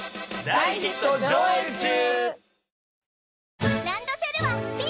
大ヒット上映中！